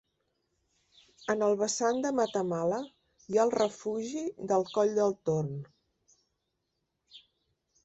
En el vessant de Matamala hi ha el Refugi del Coll del Torn.